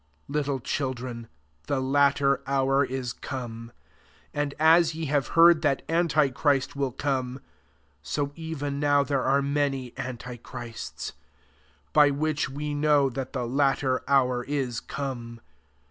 18 Little children, the latter hour is come : and as ye have heard that antichrist will come, 30 even now there are many antichrists ; by which we know that the latter hour is come.